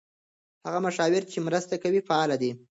هغه مشاور چې مرسته کوي فعال دی.